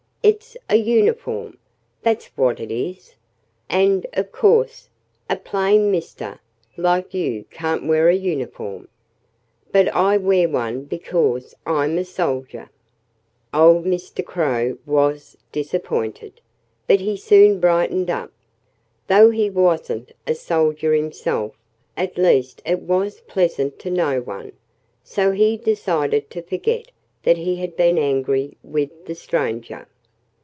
"It's a uniform that's what it is. And, of course, a plain Mister like you can't wear a uniform. But I wear one because I'm a soldier." Old Mr. Crow was disappointed. But he soon brightened up. Though he wasn't a soldier himself, at least it was pleasant to know one. So he decided to forget that he had been angry with the stranger.